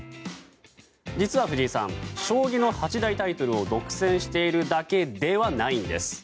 実は、藤井さん将棋の八大タイトルを独占しているだけではないんです。